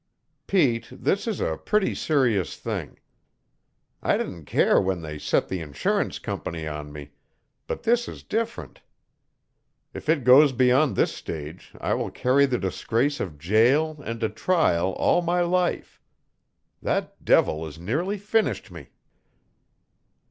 Pete, this is a pretty serious thing. I didn't care when they set the insurance company on me, but this is different. If it goes beyond this stage I will carry the disgrace of jail and a trial all my life. That devil has nearly finished me!"